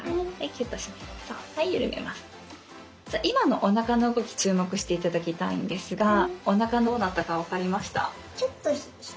今のおなかの動き注目して頂きたいんですがおなかどうなったか分かりました？